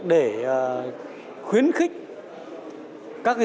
để khuyến khích các doanh nghiệp